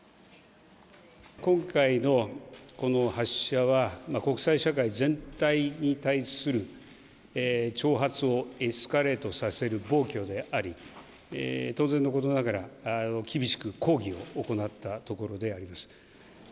今回のこの発射は、国際社会全体に対する挑発をエスカレートさせる暴挙であり、当然のことながら、厳しく抗議を行ったところであります。